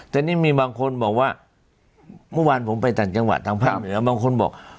แต่นี่มีบางคนบอกว่าเมื่อวานผมไปต่างจังหวัดทางภาคเหนือบางคนบอก